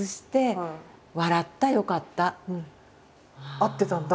合ってたんだ。